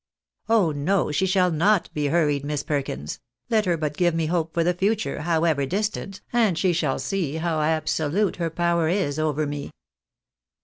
" Oh no ! she shall not be hiirried. Miss Perkins ; let her but give me hope for the future, however distant, and she shall see how ab solute her power is over me."